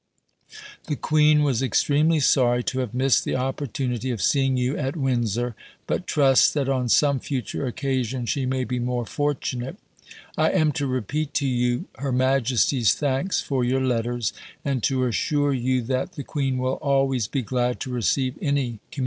The Queen was extremely sorry to have missed the opportunity of seeing you at Windsor, but trusts that on some future occasion she may be more fortunate. I am to repeat to you Her Majesty's thanks for your letters, and to assure you that The Queen will always be glad to receive any communications from you.